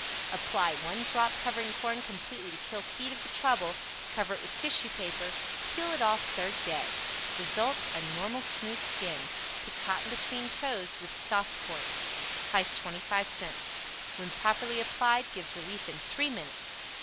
APPLY "One Drop," covering corn completely to kill seed of the trouble; cover it with tissue paper; peel it off third day. RESULT a normal smooth skin. Put cotton between toes when soft corns. PRICE 25 CENTS When Properly Applied, Gives Relief in 3 Minutes.